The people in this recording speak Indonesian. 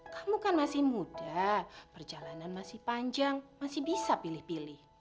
kamu kan masih muda perjalanan masih panjang masih bisa pilih pilih